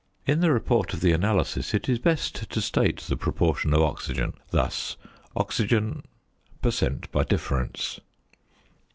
In the report of the analysis, it is best to state the proportion of oxygen thus: Oxygen per cent. by difference.